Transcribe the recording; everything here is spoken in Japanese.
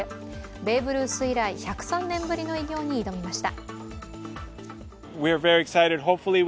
ベーブ・ルース以来１０３年ぶりの偉業に挑みました。